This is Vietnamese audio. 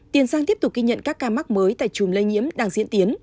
tiền giang tiếp tục ghi nhận các ca mắc mới tại chùm lây nhiễm đang diễn tiến